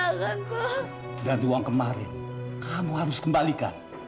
kamu yang ngambil uang kemarin kamu harus kembalikan